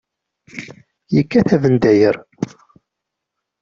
Yekka-t abendayer.